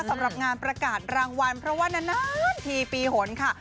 สำหรับงานประกาศรางวัลเพราะว่านานทีปีหนค่ะ